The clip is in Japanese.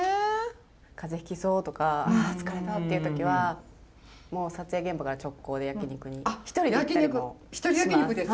風邪ひきそうとかあ疲れたっていう時はもう撮影現場から直行で焼き肉に一人で行ったりもします。